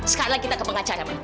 sekarang kita ke pengacara ma